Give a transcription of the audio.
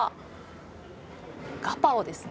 ガパオですね。